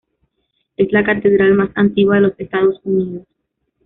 Es la catedral más antigua de los Estados Unidos.